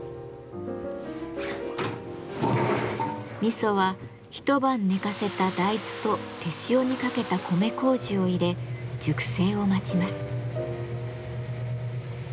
味噌は一晩寝かせた大豆と手塩にかけた米麹を入れ熟成を待ちます。